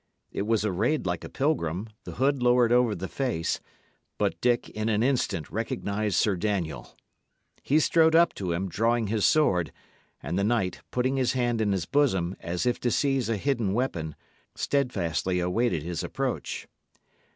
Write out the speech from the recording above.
It was arrayed like a pilgrim, the hood lowered over the face, but Dick, in an instant, recognised Sir Daniel. He strode up to him, drawing his sword; and the knight, putting his hand in his bosom, as if to seize a hidden weapon, steadfastly awaited his approach.